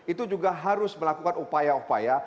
itu juga harus melakukan upaya upaya